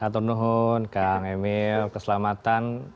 hatur nuhun kang emil keselamatan